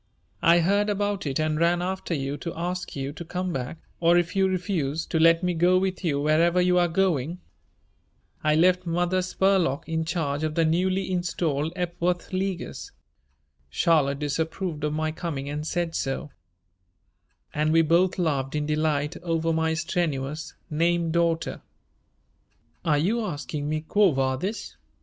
"I heard about it and ran after you to ask you to come back or, if you refused, to let me go with you wherever you are going. I left Mother Spurlock in charge of the newly installed Epworth Leaguers. Charlotte disapproved of my coming and said so," and we both laughed in delight over my strenuous name daughter. "Are you asking me _quo vadis?